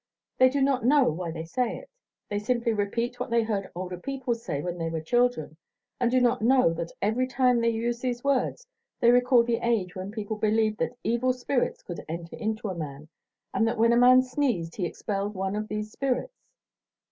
They do not know why they say it; they simply repeat what they heard older people say when they were children, and do not know that every time they use these words they recall the age when people believed that evil spirits could enter into a man, and that when a man sneezed he expelled one of these spirits.